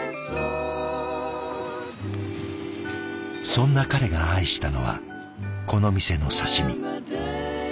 そんな彼が愛したのはこの店の刺身。